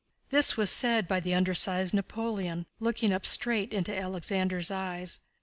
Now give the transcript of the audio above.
This was said by the undersized Napoleon, looking up straight into Alexander's eyes.